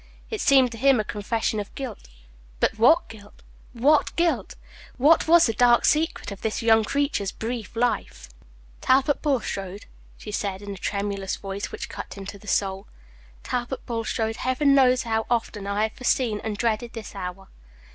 It seemed to him a confession of guilt. But what guilt? what guilt? What was the dark secret of this young creature's brief life? "Talbot Bulstrode," she said in a tremulous voice, which cut him to the soul, "Talbot Bulstrode, Heaven knows how often I have foreseen and dreaded this hour.